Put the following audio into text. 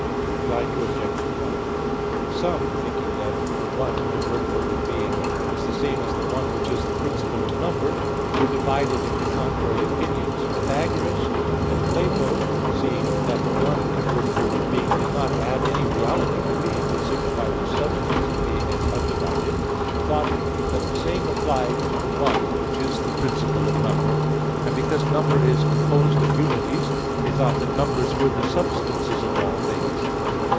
Reply Obj. 1: Some, thinking that the "one" convertible with "being" is the same as the "one" which is the principle of number, were divided into contrary opinions. Pythagoras and Plato, seeing that the "one" convertible with "being" did not add any reality to "being," but signified the substance of "being" as undivided, thought that the same applied to the "one" which is the principle of number. And because number is composed of unities, they thought that numbers were the substances of all things.